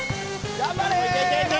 頑張れ！